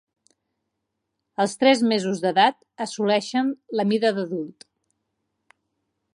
Als tres mesos d'edat assoleixen la mida d'adult.